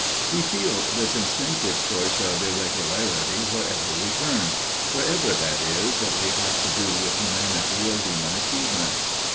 We feel this instinctive choice of irregularity wherever we turn wherever, that is, we have to do with humanity or human achievement.